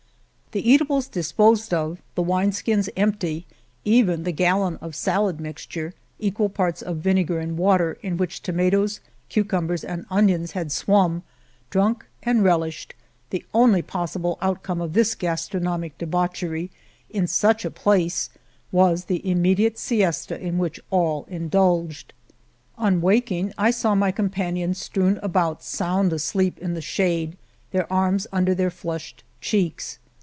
The eatables disposed of, the wine skins empty, even the gallon of salad mixture — equal parts of vinegar and water in which tomatoes, cucumbers, and onions had swum — drunk and relished, the only possible out come of this gastronomic debauchery in such a place was the immediate siesta in which all indulged. On waking I saw my companions strewn about sound asleep in the shade, their arms under their flushed cheeks.